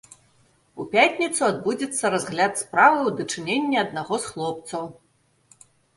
У пятніцу адбудзецца разгляд справы ў дачыненні аднаго з хлопцаў.